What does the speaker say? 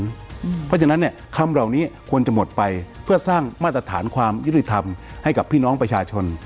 เพราะฉะนั้นเนี่ยคำเหล่านี้ควรจะหมดไปเพื่อสร้างมาตรฐานความยุติธรรมให้กับพี่น้องประชาชน